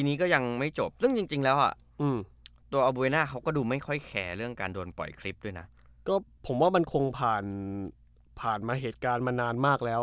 ถ้าเจ้ามีความคิดว่าจะปล่อยทิ้งมันคงผ่านมามานานแล้ว